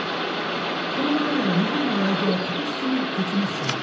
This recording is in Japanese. このままでは日本のライチョウは確実に絶滅する。